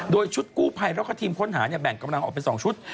โดยชุดกู้ภัยแล้วก็ทีมค้นหาแบ่งกำลังออกเป็น๒ชุด